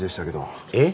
えっ？